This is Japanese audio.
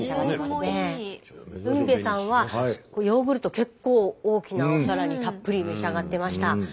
海辺さんはヨーグルト結構大きなお皿にたっぷり召し上がってました。